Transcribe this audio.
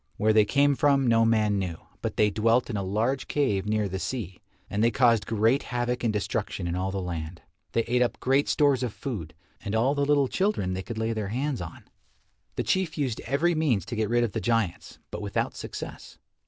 Where they came from, no man knew, but they dwelt in a large cave near the sea, and they caused great havoc and destruction in all the land. They ate up great stores of food, and all the little children they could lay their hands on. The Chief used every means to get rid of the giants, but without success.